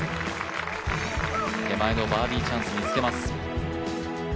手前のバーディーチャンスにつけます。